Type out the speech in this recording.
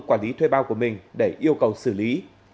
quản lý thuê bao của mình để yêu cầu xử lý